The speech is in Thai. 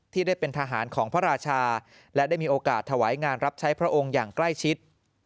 ได้เป็นทหารของพระราชาและได้มีโอกาสถวายงานรับใช้พระองค์อย่างใกล้ชิด